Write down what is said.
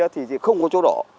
thì không có chỗ đổ